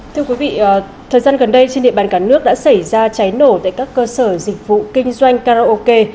thưa quý vị thời gian gần đây trên địa bàn cả nước đã xảy ra cháy nổ tại các cơ sở dịch vụ kinh doanh karaoke